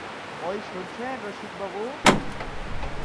ঐ শুনছেন রসিকবাবু?